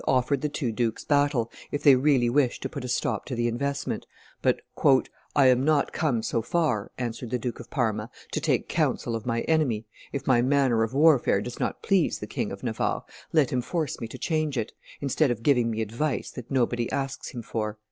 offered the two dukes battle, if they really wished to put a stop to the investment; but "I am not come so far," answered the Duke of Parma, "to take counsel of my enemy; if my manner of warfare does not please the King of Navarre, let him force me to change it, instead of giving me advice that nobody asks him for."